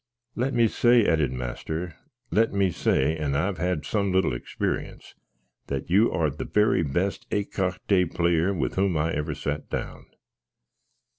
"Let me say," added master, "let me say (and I've had some little experience), that you are the very best écarté player with whom I ever sat down."